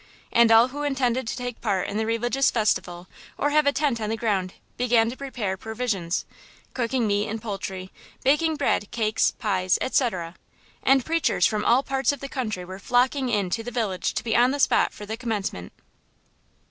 And all who intended to take part in the religious festival or have a tent on the ground began to prepare provisions–cooking meat and poultry, baking bread, cakes, pies, etc. And preachers from all parts of the country were flocking in to the village to be on the spot for the commencement.